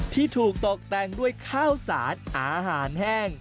ที่ถูกตกแต่งด้วยข้าวสารอาหารแห้ง